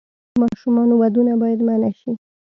د ماشومانو ودونه باید منع شي.